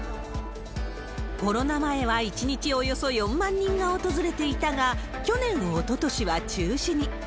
コロナ前は１日およそ４万人が訪れていたが、去年、おととしは中止に。